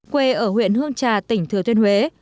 quê ở huyện hương trà tỉnh thừa thuyên huế